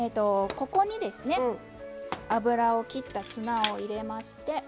ここに油を切ったツナを入れまして。